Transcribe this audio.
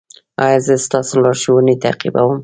ایا زه ستاسو لارښوونې تعقیبوم؟